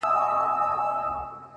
ما د هغې دنيا په فکر ميږی و نه وژنئ’